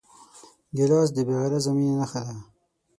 ګیلاس د بېغرضه مینې نښه ده.